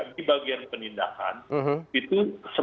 di bagian penindakan itu